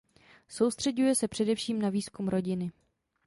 Soustřeďuje se především na výzkum rodiny.